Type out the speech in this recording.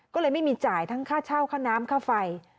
ก็เลยไม่มีจ่ายทั้งค่าเช่าค่าน้ำค่าไฟ